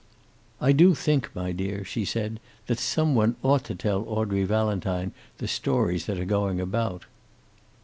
"I do think, my dear," she said, "that some one ought to tell Audrey Valentine the stories that are going about."